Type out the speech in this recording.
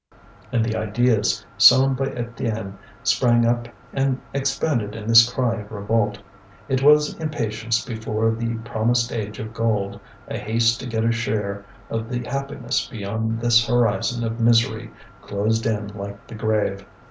And the ideas sown by Étienne sprang up and expanded in this cry of revolt. It was impatience before the promised age of gold, a haste to get a share of the happiness beyond this horizon of misery, closed in like the grave.